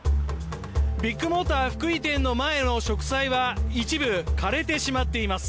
ビッグモーター福井店の前の植栽は一部枯れてしまっています。